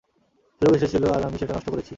সুযোগ এসেছিল আর আমি সেটা নষ্ট করেছি।